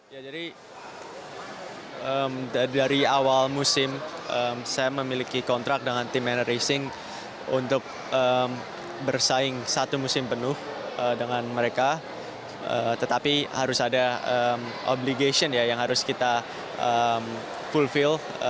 ya jadi dari awal musim saya memiliki kontrak dengan tim manor racing untuk bersaing satu musim penuh dengan mereka tetapi harus ada obligation ya yang harus kita fullfield